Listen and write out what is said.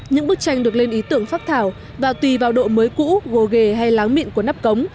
những bức tranh được lên ý tưởng phát thảo và tùy vào độ mới cũ gồ ghề hay láng mịn của nắp cống